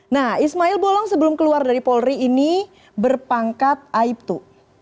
nah ismail bolong sebelum keluar dari polri ini berpangkat aibtu